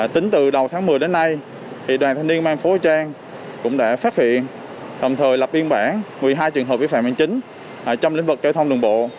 tính từ đầu tháng một mươi đến nay đoàn thanh niên mang phố trang cũng đã phát hiện đồng thời lập biên bản một mươi hai trường hợp vi phạm hành chính trong lĩnh vực giao thông đường bộ